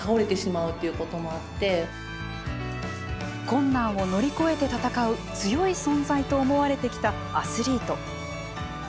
困難を乗り越えて戦う強い存在と思われてきたアスリート。